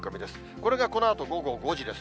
これがこのあと午後５時です。